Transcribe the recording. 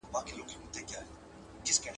انسان د احسان تابع دئ.